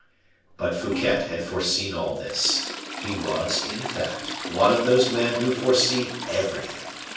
But Fouquet had foreseen all this; he was, in fact, one of those men who foresee everything.